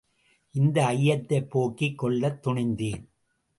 இந்த ஐயத்தைப் போக்கிக் கொள்ளத் துணிந்தேன்.